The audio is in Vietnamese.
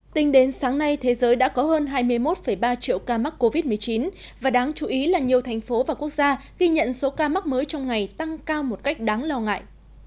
tính đến sáng nay thế giới đã có hơn hai mươi một ba triệu ca mắc covid một mươi chín và đáng chú ý là nhiều thành phố và quốc gia ghi nhận số ca mắc mới trong ngày tăng cao một cách đáng lo ngại